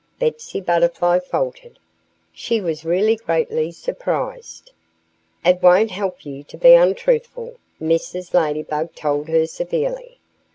Betsy Butterfly faltered. She was really greatly surprised. "It won't help you to be untruthful," Mrs. Ladybug told her severely.